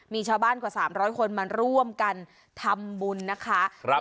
มีชาวบ้านกว่า๓๐๐คนมาร่วมกันทำบุญนะคะ